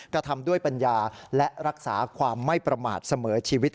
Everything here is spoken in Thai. กระทำด้วยปัญญาและรักษาความไม่ประมาทเสมอชีวิต